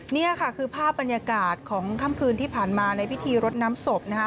นี่ค่ะคือภาพบรรยากาศของค่ำคืนที่ผ่านมาในพิธีรดน้ำศพนะคะ